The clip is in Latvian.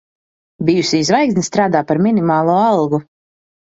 Bijusī zvaigzne strādā par minimālo algu.